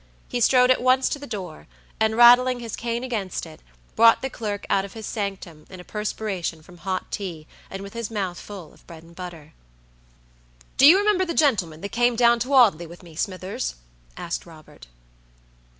He strode at once to the door, and rattling his cane against it, brought the clerk out of his sanctum in a perspiration from hot tea, and with his mouth full of bread and butter. "Do you remember the gentleman that came down to Audley with me, Smithers?" asked Robert.